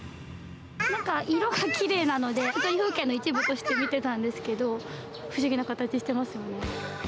なんか色がきれいなので、普通に風景の一部として見てたんですけど、不思議な形してますよね。